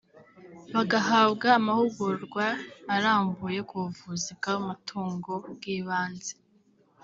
bagahabwa amahugurwa arambuye ku buvuzi bw’amatungo bw’ibanze